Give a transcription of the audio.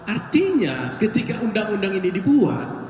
artinya ketika undang undang ini dibuat